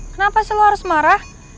kenapa sih lo harus marah